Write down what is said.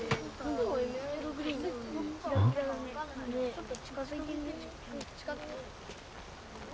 ちょっと近づいてみよう。